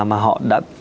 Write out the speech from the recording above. mà họ đã